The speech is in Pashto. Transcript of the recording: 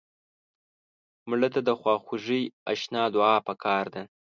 مړه ته د خواخوږۍ اشنا دعا پکار ده